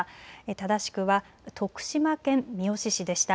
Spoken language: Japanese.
正しくは徳島県三好市でした。